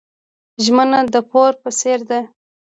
ژمنه د پور په څیر ده.